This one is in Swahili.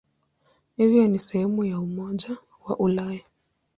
Hivyo ni sehemu ya Umoja wa Ulaya.